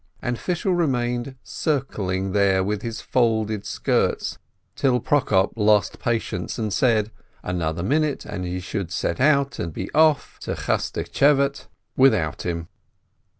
And Fishel remained circling there with his folded skirts, till Prokop lost patience and said, another minute, and he should set out and be off to Chasch tschevate without him.